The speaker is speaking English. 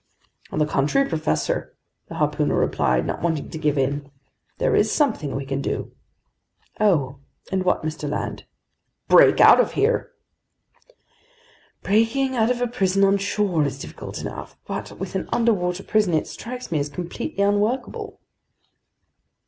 "On the contrary, professor," the harpooner replied, not wanting to give in. "There is something we can do." "Oh? And what, Mr. Land?" "Break out of here!" "Breaking out of a prison on shore is difficult enough, but with an underwater prison, it strikes me as completely unworkable."